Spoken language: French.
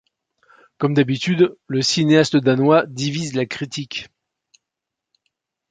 Comme d'habitude, le cinéaste danois divise la critique.